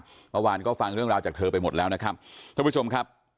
เมื่อวานก็ฟังเรื่องราวจากเธอไปหมดแล้วนะครับท่านผู้ชมครับ